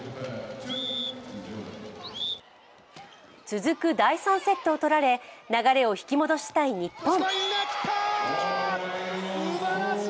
続く第３セットを取られ、流れを引き戻したい日本。